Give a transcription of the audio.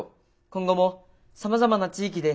今後もさまざまな地域で。